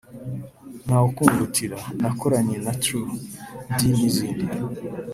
“Ntawukundutira” nakoranye na True D n’izindi